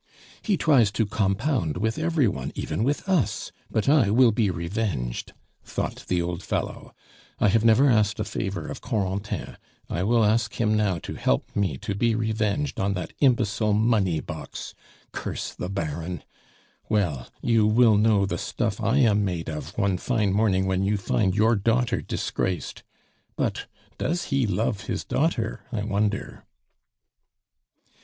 "He tries to compound with every one, even with us; but I will be revenged," thought the old fellow. "I have never asked a favor of Corentin; I will ask him now to help me to be revenged on that imbecile money box. Curse the Baron! Well, you will know the stuff I am made of one fine morning when you find your daughter disgraced! But does he love his daughter, I wonder?"